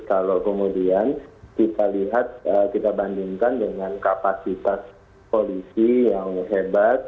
kalau kemudian kita lihat kita bandingkan dengan kapasitas polisi yang hebat